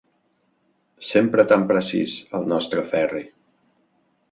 Sempre tan precís, el nostre Ferri.